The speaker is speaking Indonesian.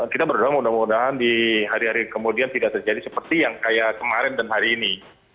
kita berdoa mudah mudahan di hari hari kemudian tidak terjadi seperti yang kayak kemarin dan hari ini